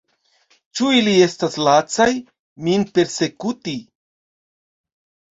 Ĉu ili estas lacaj, min persekuti?